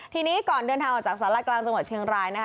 ทีนี้ก่อนเดินทางออกจากสารกลางจังหวัดเชียงรายนะคะ